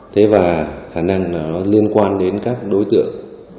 thế và khả năng là nó liên quan đến các đối tượng